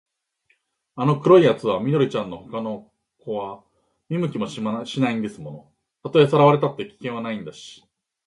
あの黒いやつは緑ちゃんのほかの子は見向きもしないんですもの。たとえさらわれたって、危険はないんだし、